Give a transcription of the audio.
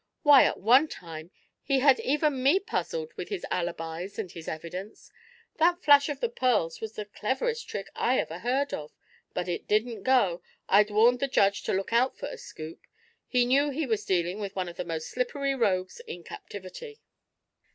Why, at one time he had even me puzzled with his alibis and his evidence. That flash of the pearls was the cleverest trick I ever heard of; but it didn't go, I'd warned the judge to look out for a scoop. He knew he was dealing with one of the most slippery rogues in captivity."